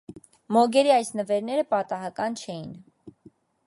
Մոգերի այս նվերները պատահական չէին։